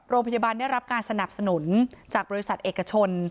โรงพยาบาลได้รับการสนับสนุนจากบริษัทเอกชน